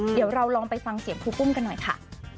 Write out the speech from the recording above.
เดี๋ยวเราลองไปฟังเสียงครูปุ้มกันหน่อยค่ะ